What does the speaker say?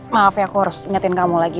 maaf ya aku harus ingetin kamu lagi